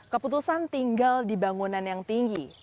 keputusan tinggal di bangunan yang tinggi